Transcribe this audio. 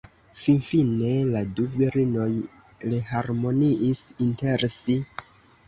Finfine la du virinoj reharmoniis inter si.